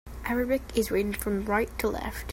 Arabic is written from right to left.